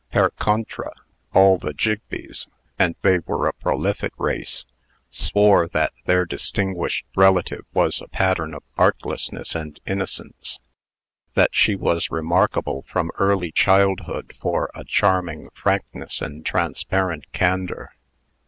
Per contra, all the Jigbees and they were a prolific race swore that their distinguished relative was a pattern of artlessness and innocence. That she was remarkable from early childhood for a charming frankness and transparent candor.